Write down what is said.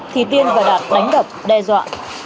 thì tiên và đạt đánh đập đe dọa